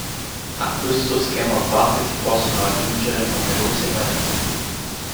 A questo schema base si possono aggiungere numerose varianti.